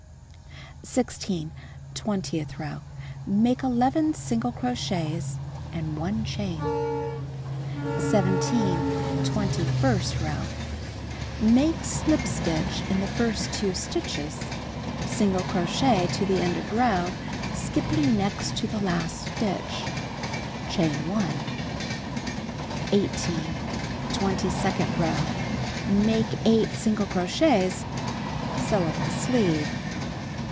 16. Twentieth row: Make 11 single crochets and 1 chain. 17. Twcntj' first row: Make slip stitch in the first 2 stitches; single crochet to the end of row, skipping next to the last stitch. Chain 1. 18. Twenty second row: Make 8 single crochets. Sew up the sleeve.